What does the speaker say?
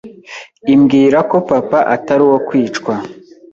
imbwira ko papa Atari uwo kwicwa